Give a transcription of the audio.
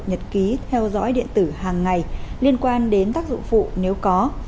nhật ký theo dõi điện tử hàng ngày liên quan đến tác dụng phụ nếu có